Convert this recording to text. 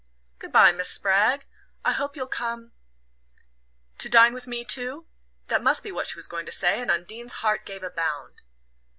"Good bye, Miss Spragg. I hope you'll come "" TO DINE WITH ME TOO?" That must be what she was going to say, and Undine's heart gave a bound.